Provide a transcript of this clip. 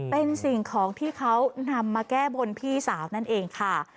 เป็นสิ่งของที่เขานำมาแก้บนพี่สาวนั่นเองค่ะ